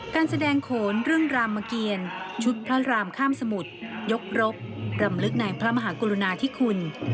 การแสดงโขนเรื่องรามเกียรชุดพระรามข้ามสมุทรยกรบรำลึกในพระมหากรุณาธิคุณ